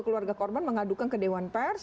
keluarga korban mengadukan ke dewan pers